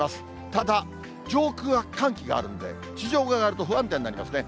ただ、上空は寒気があるんで、上がると不安定になりますね。